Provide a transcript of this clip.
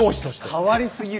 「変わりすぎる」！